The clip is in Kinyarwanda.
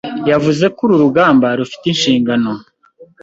yavuze ko uru ruganda rufite inshingano